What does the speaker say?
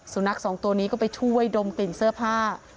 สุนัขสองตัวนี้ก็ไปช่วยดมกลิ่นเสื้อผ้า